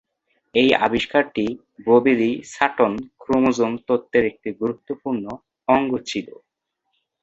এই আবিষ্কারটি Boveri-Sutton chromosome তত্ত্বের একটি গুরুত্বপূর্ণ অঙ্গ ছিল।